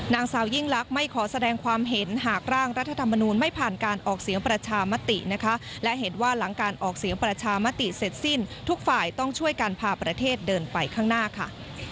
นางสาวยิ่งลักษณ์ไม่ขอแสดงความเห็นหากร่างรัฐธรรมนูลไม่ผ่านการออกเสียงประชามตินะคะและเห็นว่าหลังการออกเสียงประชามติเสร็จสิ้นทุกฝ่ายต้องช่วยการพาประเทศเดินไปข้างหน้าค่ะ